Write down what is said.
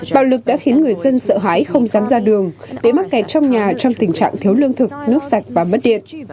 bạo lực đã khiến người dân sợ hãi không dám ra đường để mắc kẹt trong nhà trong tình trạng thiếu lương thực nước sạch và mất điện